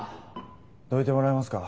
どいてもらえますか。